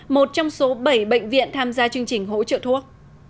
một trong số bảy bệnh viện tham gia chương trình hỗ trợ thuốc